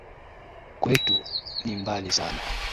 Kwetu, ni mbali sana.